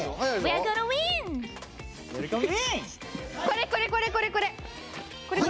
これこれこれこれこれ！